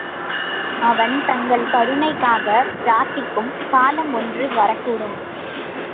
அவன் தங்கள் கருணைக்காகப் பிரார்த்திக்கும் காலம் ஒன்று வரக்கூடும்.